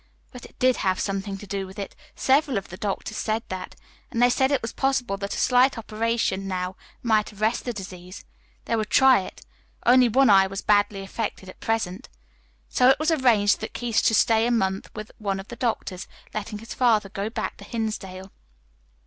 But it did have something to do with it several of the doctors said that; and they said it was possible that a slight operation now might arrest the disease. They would try it. Only one eye was badly affected at present. So it was arranged that Keith should stay a month with one of the doctors, letting his father go back to Hinsdale.